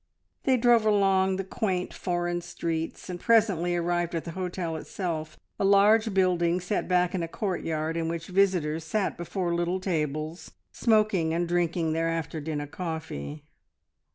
They drove along the quaint, foreign streets, and presently arrived at the hotel itself, a large building set back in a courtyard in which visitors sat before little tables, smoking and drinking their after dinner coffee.